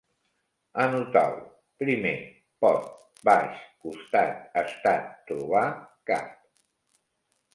Anotau: primer, pot, baix, costat, estat, trobar, cap